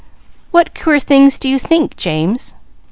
"What queer things do you think, James?"